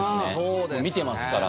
見てますから。